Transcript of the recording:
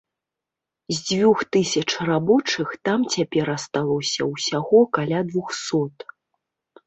З дзвюх тысяч рабочых там цяпер асталося ўсяго каля двухсот.